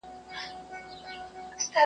خو دانو ته یې زړه نه سو ټینګولای .